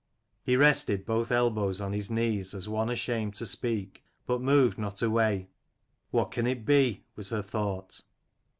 He rested both elbows on his knees as one ashamed to speak, but moved not away. What can it be ? was her thought.